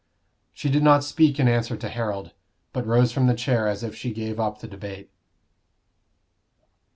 She did not speak in answer to Harold, but rose from the chair as if she gave up the debate.